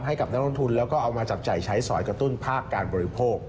ให้กับนักลงทุนแล้วก็เอามาจับจ่ายใช้สอยกระตุ้นภาคการบริโภค